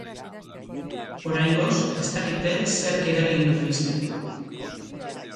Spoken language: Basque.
Oraingoz, ez dakite zerk eragin duen istripua.